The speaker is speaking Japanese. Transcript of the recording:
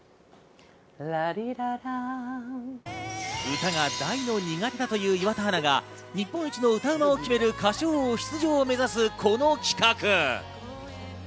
歌が大の苦手だという岩田アナが、日本一の歌うまを決める『歌唱王』出場を目指すこの企画。